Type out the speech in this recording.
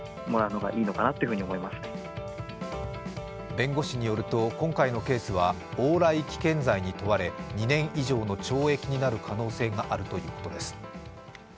弁護士によると、今回のケースは、往来危険罪に問われ２年以上の懲役になる可能性があるということです。